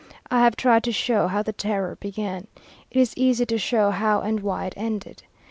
I have tried to show how the Terror began. It is easy to show how and why it ended.